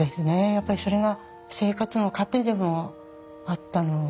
やっぱりそれが生活の糧でもあったので。